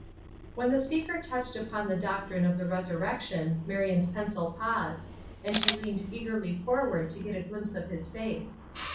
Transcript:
'" When the speaker touched upon the doctrine of the resurrection Marion's pencil paused, and she leaned eagerly forward to get a glimpse of his face.